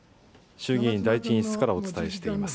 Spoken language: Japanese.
衆議院第１委員室からお伝えしています。